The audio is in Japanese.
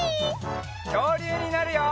きょうりゅうになるよ！